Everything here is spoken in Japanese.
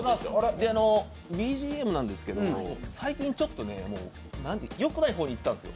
ＢＧＭなんですけれども、最近よくない方に行ったんですよ。